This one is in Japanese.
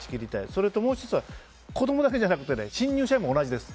それと、もう１つは子供だけじゃなくて新入社員も同じです。